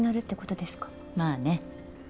まあね。